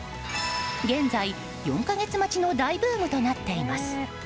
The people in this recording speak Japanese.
現在、４か月待ちの大ブームとなっています。